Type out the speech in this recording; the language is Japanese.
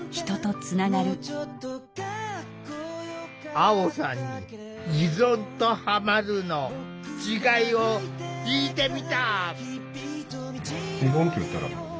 アオさんに“依存”と“ハマる”の違いを聞いてみた。